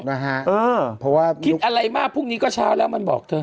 คนคิดอะไรมาพรุ่งนี้ก็ช้าแล้วมันบอกเถอะ